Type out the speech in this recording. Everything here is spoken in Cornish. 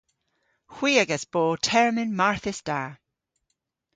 Hwi a'gas bo termyn marthys da.